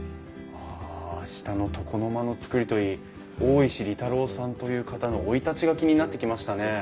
あ下の床の間の造りといい大石利太郎さんという方の生い立ちが気になってきましたね。